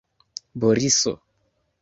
Boriso!